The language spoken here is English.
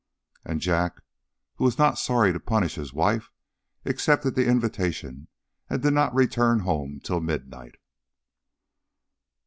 And Jack, who was not sorry to punish his wife, accepted the invitation and did not return home till midnight.